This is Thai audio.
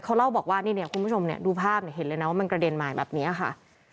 เขาเล่าบอกว่าเนี่ยคุณผู้ชมดูภาพเห็นเลยนะว่ามันกระเด็นมาแบบนี้ค่ะ